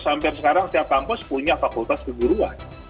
sampai sekarang setiap kampus punya fakultas keguruan